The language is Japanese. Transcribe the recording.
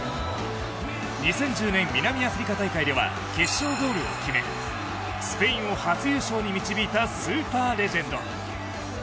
２０１０年南アフリカ大会では決勝ゴールを決めスペインを初優勝に導いたスーパーレジェンド。